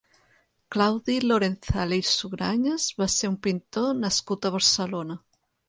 Claudi Lorenzale i Sugrañes va ser un pintor nascut a Barcelona.